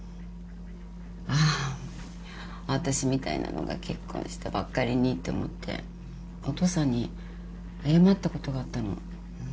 あーあたしみたいなのが結婚したばっかりにって思ってお父さんに謝ったことがあったの。